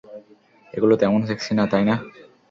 এগুলো তেমন সেক্সি না, তাই না?